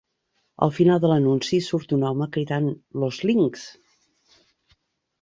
Al final de l'anunci hi surt un home cridant Los Links!